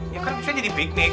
ya kan bisa jadi piknik